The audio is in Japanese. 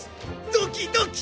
ドキドキ！